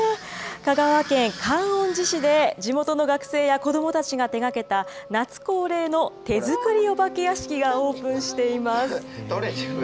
香川県観音寺市で地元の学生や子どもたちが手がけた夏恒例の手作りお化け屋敷がオープンしています。